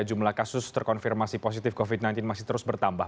jumlah kasus terkonfirmasi positif covid sembilan belas masih terus bertambah